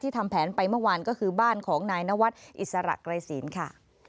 ทำแผนไปเมื่อวานก็คือบ้านของนายนวัดอิสระไกรศีลค่ะ